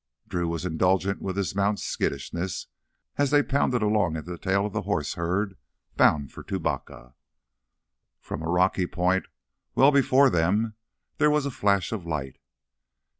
Drew was indulgent with his mount's skittishness as they pounded along at the tail of the horse herd bound for Tubacca. From a rocky point well before them there was a flash of light.